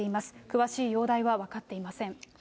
詳しい容体は分かっていません。